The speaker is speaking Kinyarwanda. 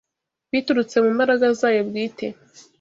biturutse mu mbaraga zayo bwite